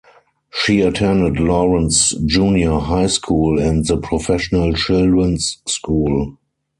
She attended Lawrence Junior High School and the Professional Children's School.